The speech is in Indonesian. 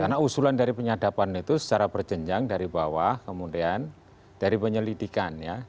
karena usulan dari penyadapan itu secara berjenjang dari bawah kemudian dari penyelidikan ya